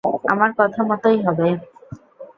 আমার কথা মতোই হবে।